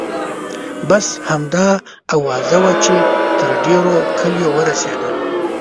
بس همدا اوازه وه چې تر ډېرو کلیو ورسیده.